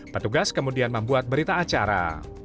petugas kemudian membuat berita acara